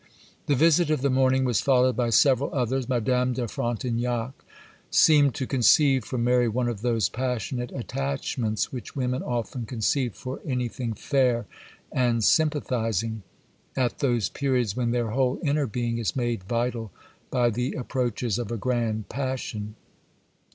The visit of the morning was followed by several others. Madame de Frontignac seemed to conceive for Mary one of those passionate attachments which women often conceive for anything fair and sympathizing, at those periods when their whole inner being is made vital by the approaches of a grand passion.